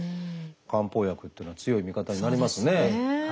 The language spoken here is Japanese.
漢方薬っていうのは強い味方になりますね。